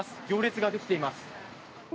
行列ができています。